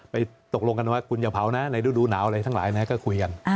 ตกลงกันว่าคุณอย่าเผานะในฤดูหนาวอะไรทั้งหลายนะก็คุยกัน